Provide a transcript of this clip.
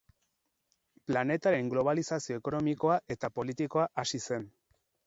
Planetaren globalizazio ekonomikoa eta politikoa hasi zen.